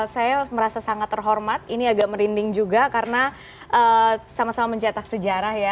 saya merasa sangat terhormat ini agak merinding juga karena sama sama mencetak sejarah ya